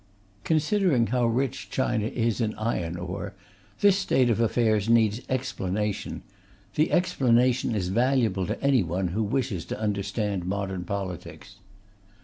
Considering how rich China is in iron ore, this state of affairs needs explanation. The explanation is valuable to anyone who wishes to understand modern politics.